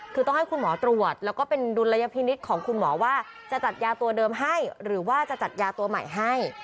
คือต้องให้คุณหมอตรวจแล้วก็เป็นดุลยพินิษฐ์ของคุณหมอว่าจะจัดยาตัวเดิมให้หรือว่าจะจัดยาตัวใหม่ให้